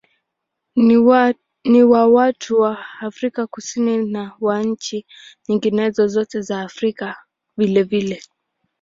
Ni wa watu wa Afrika Kusini na wa nchi nyingine zote za Afrika vilevile.